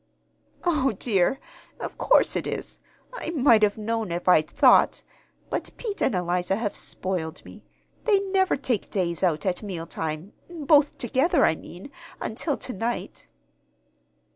"O dear, of course it is! I might have known, if I'd thought; but Pete and Eliza have spoiled me. They never take days out at meal time both together, I mean until to night."